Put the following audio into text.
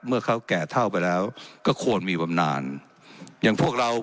เมื่อเขาแก่เท่าไปแล้วก็ควรมีบำนานอย่างพวกเรา